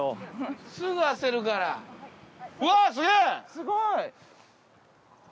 すごい！